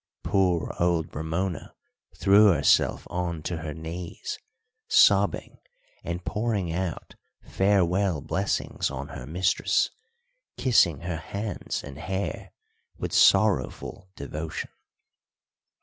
Poor old Ramona threw herself on to her knees, sobbing and pouring out farewell blessings on her mistress, kissing her hands and hair with sorrowful devotion.